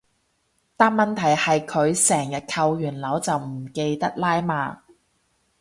但問題係佢成日扣完鈕就唔記得拉嘛